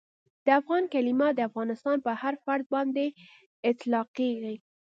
د افغان کلیمه د افغانستان پر هر فرد باندي اطلاقیږي.